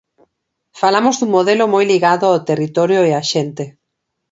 Falamos dun modelo moi ligado ao territorio e á xente.